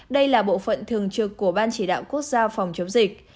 đây là bộ phận thường trực của ban chỉ đạo quốc gia phòng chống dịch